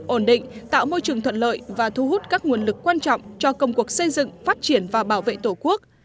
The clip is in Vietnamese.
ổn định tạo môi trường thuận lợi và thu hút các nguồn lực quan trọng cho công cuộc xây dựng phát triển và bảo vệ tổ quốc